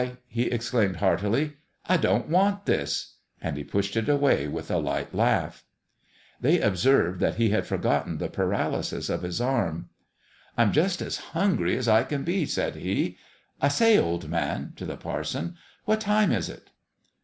"Why," he ex claimed, heartily, " I don't want this !" and pushed it away with a light laugh. They observed that he had forgotten the paralysis of his arm. 312 A MIRACLE at PALE PETER'S " I'm just as hungry as I can be," said he. " I say, old man" to the parson "what time is it?"